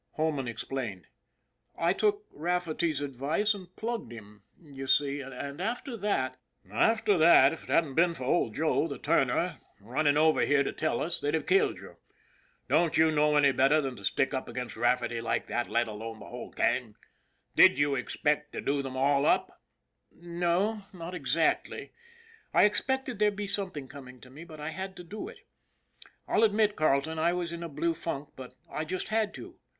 " Holman explained. " I took Rafferty's advice and plugged him, you see, and after that "" After that if it hadn't been for old Joe, the turner, running over here to tell us, they'd have killed you. Don't you know any better than to stack up against Rafferty like that, let alone the whole gang? Did you expect to do them all up ?"" No, not exactly. I expected there'd be something coming to me, but I had to do it. I'll admit, Carleton, I was in a blue funk, but I just had to.